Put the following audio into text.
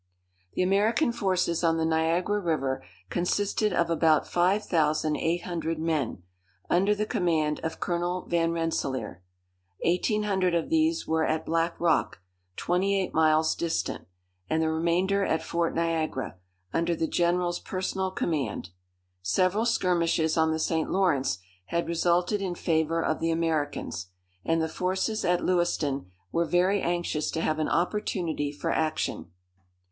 The American forces on the Niagara river consisted of about five thousand eight hundred men, under the command of Colonel Van Rensselaer. Eighteen hundred of these were at Black Rock, twenty eight miles distant, and the remainder at Fort Niagara, under the General's personal command. Several skirmishes on the St. Lawrence had resulted in favour of the Americans, and the forces at Lewiston were very anxious to have an opportunity for action.